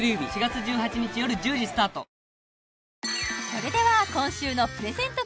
それでは今週のプレゼント